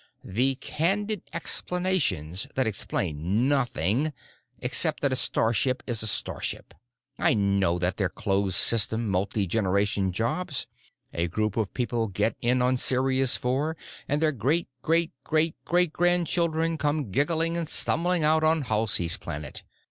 The candid explanations that explain nothing—except that a starship is a starship. I know that they're closed system, multigeneration jobs; a group of people get in on Sirius IV and their great great great great grandchildren come giggling and stumbling out on Halsey's Planet.